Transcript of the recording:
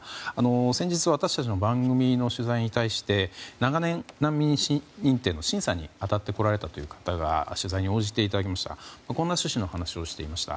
先日、私たちの番組の取材に対して長年、難民認定の審査に当たってこられたという方が取材に応じていただけましてこんな趣旨の話をしていただきました。